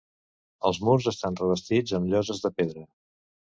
Els murs estan revestits amb lloses de pedra.